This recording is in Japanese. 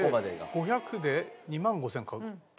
５００で２万５０００書くと。